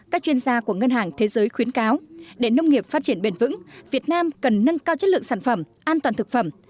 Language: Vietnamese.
các chuyên gia của ngân hàng thế giới khuyến cáo để nông nghiệp phát triển bền vững việt nam cần nâng cao chất lượng sản phẩm an toàn thực phẩm